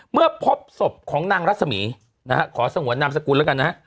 เมื่อพบศพของนางรัศมีนะฮะขอสงวนนามสกุลแล้วกันนะฮะ